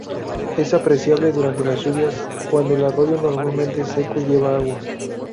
Es apreciable durante las lluvias, cuando el arroyo normalmente seco lleva agua.